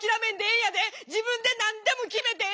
えんやで自分で何でも決めてええ